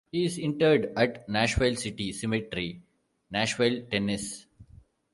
He is interred at Nashville City Cemetery, Nashville, Tennessee.